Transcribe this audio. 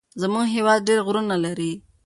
زمونږ هيواد ډير غرونه لري.